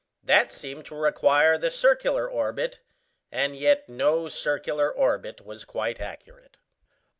That seemed to require the circular orbit, and yet no circular orbit was quite accurate.